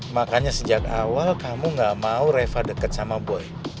makanya sejak awal kamu gak mau reva dekat sama boy